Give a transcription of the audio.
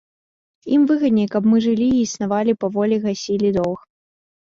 Ім выгадней, каб мы жылі і існавалі, паволі гасілі доўг.